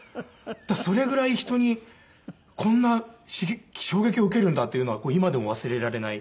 だからそれぐらい人にこんな衝撃を受けるんだっていうのは今でも忘れられない。